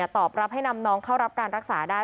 ตอบรับให้นำน้องเข้ารับการรักษาได้